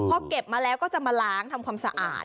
พอเก็บมาแล้วก็จะมาล้างทำความสะอาด